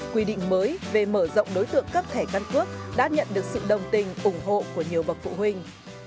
quy định mới về mở rộng đối tượng cấp thẻ căn cước đã nhận được sự đồng tình ủng hộ của nhiều bậc phụ huynh